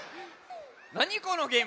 なにこのゲーム。